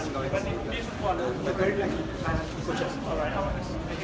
ขอบคุณครับ